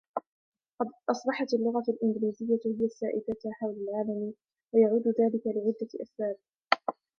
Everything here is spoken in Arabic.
قد اصبحت اللغه الانجليزيه هي السائده حول العالم ويعود ذلك لعدة أسباب.